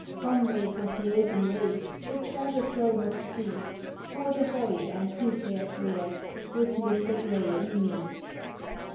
Comrades of the Open Way, the Treasure Trove of Sea, Port Ahoy and who cares where, with Mister Grey an' Me!